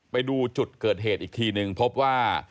ไปดูจุดเกิดเหตุอีกทีนึงพบว่า